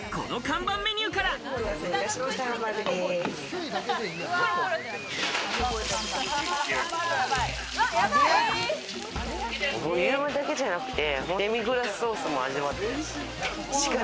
ボリュームだけじゃなくてデミグラスソースも味わって欲しい。